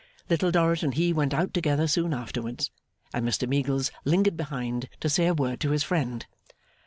Little Dorrit and he went out together soon afterwards, and Mr Meagles lingered behind to say a word to his friend.